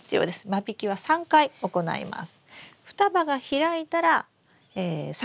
間引きは３回行います。